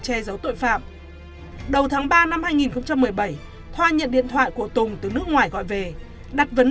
che giấu tội phạm đầu tháng ba năm hai nghìn một mươi bảy thoa nhận điện thoại của tùng từ nước ngoài gọi về đặt vấn